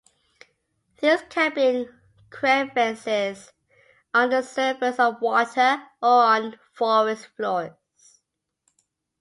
These can be in crevices, on the surface of water, or on forest floors.